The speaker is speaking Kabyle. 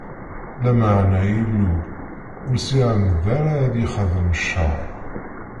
Lameɛna Illu ur s-iɛemmed ara ad yi-ixdem cceṛ.